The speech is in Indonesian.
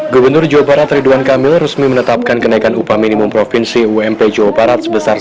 gubernur jawa barat ridwan kamil resmi menetapkan kenaikan upah minimum provinsi ump jawa barat sebesar satu enam ratus enam puluh delapan